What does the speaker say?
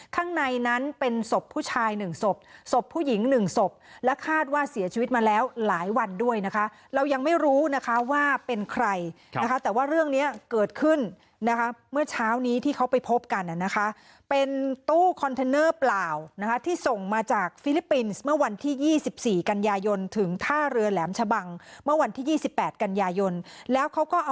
ข้างในนั้นเป็นศพผู้ชายหนึ่งศพศพผู้หญิง๑ศพและคาดว่าเสียชีวิตมาแล้วหลายวันด้วยนะคะเรายังไม่รู้นะคะว่าเป็นใครนะคะแต่ว่าเรื่องนี้เกิดขึ้นนะคะเมื่อเช้านี้ที่เขาไปพบกันนะคะเป็นตู้คอนเทนเนอร์เปล่านะคะที่ส่งมาจากฟิลิปปินส์เมื่อวันที่๒๔กันยายนถึงท่าเรือแหลมชะบังเมื่อวันที่๒๘กันยายนแล้วเขาก็เอา